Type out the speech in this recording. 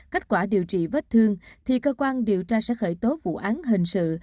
kết quả điều trị vết thương thì cơ quan điều tra sẽ khởi tố vụ án hình sự